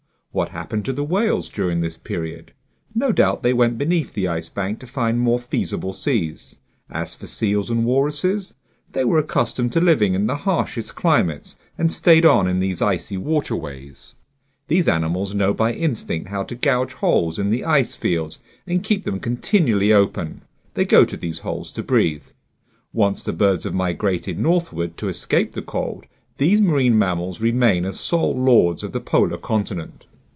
What happened to the whales during this period? No doubt they went beneath the Ice Bank to find more feasible seas. As for seals and walruses, they were accustomed to living in the harshest climates and stayed on in these icy waterways. These animals know by instinct how to gouge holes in the ice fields and keep them continually open; they go to these holes to breathe. Once the birds have migrated northward to escape the cold, these marine mammals remain as sole lords of the polar continent.